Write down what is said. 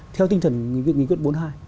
theo tinh thần nghị quyết bốn hai